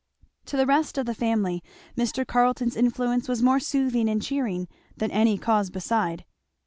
To the rest of the family Mr. Carleton's influence was more soothing and cheering than any cause beside.